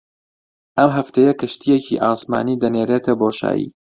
ئەم هەفتەیە کەشتییەکی ئاسمانی دەنێرێتە بۆشایی